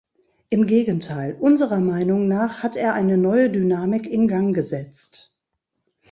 Im Gegenteil, unserer Meinung nach hat er eine neue Dynamik in Gang gesetzt.